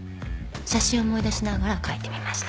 写真思い出しながら描いてみました。